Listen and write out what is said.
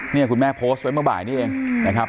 เนี่ยคุณแม่โพสต์ไว้เมื่อบ่ายนี้เองนะครับ